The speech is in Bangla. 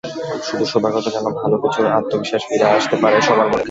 শুধু শুভাগত কেন, ভালো কিছুর আত্মবিশ্বাস ফিরে আসতে পারে সবার মধ্যেই।